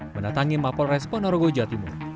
menatangi mapol res ponorogo jatimu